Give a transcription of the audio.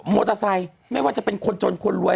มอเตอร์ไซค์ไม่ว่าจะเป็นคนจนคนรวย